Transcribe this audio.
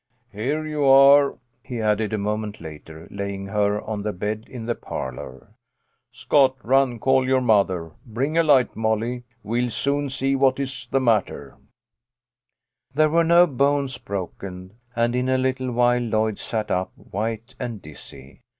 " Here you are," he added a moment later, laying her on the bed in the parlour. " Scott, run call your mother. Bring a light, Molly. We'll soon see what is the matter." A TIME FOR PATIENCE. 63 There were no bones broken, and in a little while Lloyd sat up, white and dizzy.